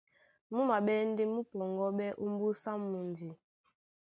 Mú maɓɛ́ ndé mú pɔŋgɔ́ɓɛ́ ómbúsá mundi.